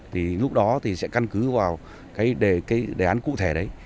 thì lúc đó thì sẽ căn cứ vào cái đề án cụ thể đấy